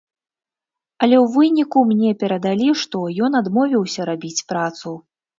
Але ў выніку мне перадалі, што ён адмовіўся рабіць працу.